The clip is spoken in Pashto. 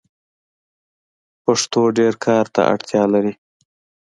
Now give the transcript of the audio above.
پښتو ډير کار ته اړتیا لري.